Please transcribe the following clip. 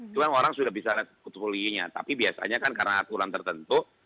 cuman orang sudah bisa portfolio nya tapi biasanya kan karena aturan tertentu